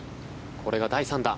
これが第３打。